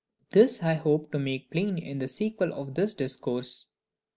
This I hope to make plain in the sequel of this Discourse.